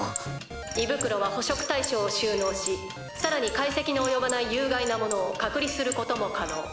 「胃袋は捕食対象を収納し更に解析の及ばない有害なものを隔離することも可能」。